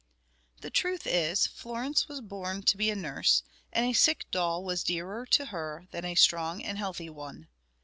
The truth is, Florence was born to be a nurse, and a sick doll was dearer to her than a strong and healthy one.